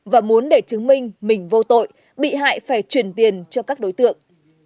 và muốn để chứng minh mình vô tội bị hại phải chuyển tiền cho các đối tượng